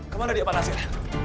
kemana dia pak nasir